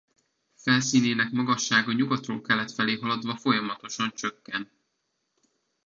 Felszínének magassága nyugatról kelet felé haladva folyamatosan csökken.